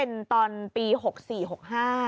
สวัสดีครับ